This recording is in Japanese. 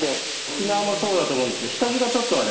沖縄もそうだと思うんですけど。